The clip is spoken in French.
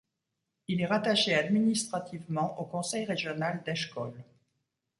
Il est rattaché administrativement au conseil régional d'Eshkol.